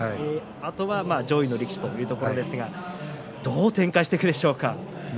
あとは上位の力士というところですがどう展開していくでしょうか。